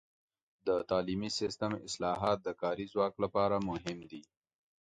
د تعلیمي سیستم اصلاحات د کاري ځواک لپاره مهم دي.